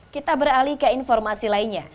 kita beralih ke informasi lainnya